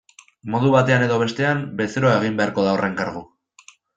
Modu batean edo bestean, bezeroa egin beharko da horren kargu.